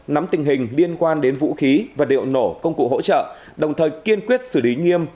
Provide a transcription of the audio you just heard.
nắm tình hình liên quan đến vũ khí và liệu nổ công cụ hỗ trợ đồng thời kiên quyết xử lý nghiêm